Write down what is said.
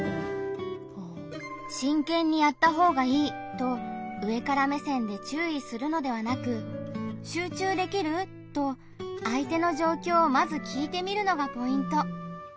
と上から目線で注意するのではなく「集中できる？」と相手の状況をまず聞いてみるのがポイント。